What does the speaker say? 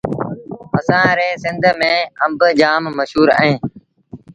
اسآݩ ريٚ سنڌ ميݩ آݩب جآم مشهور اوهيݩ